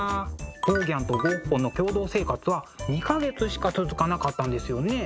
ゴーギャンとゴッホの共同生活は２か月しか続かなかったんですよね。